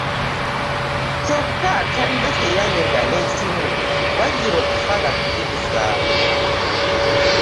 Kyokka talina kye yanyega n'ekimu wazira okufa gakkiriza.